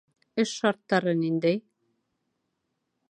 Эш шарттары ниндәй?